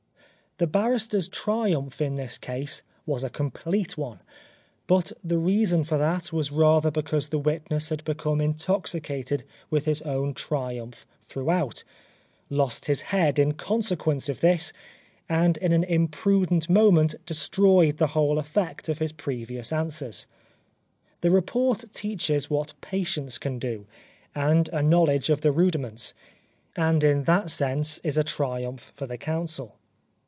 The barrister's triumph in this case was a complete one ; but the reason for that was rather because the witness had become intoxicated with his own triumph throughout, lost his head in consequence of this, and in an imprudent moment destroyed the whole effect of his previous answers. The report teaches what patience can do, and a knowledge of the rudiments; and in that sense is a triumph for the counsel.